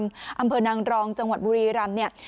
อำเภอนางรองจังหวัดบุรีรำเนี่ย